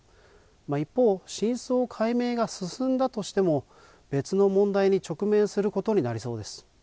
一方、真相解明が進んだとしても、別の問題に直面することになりそうです。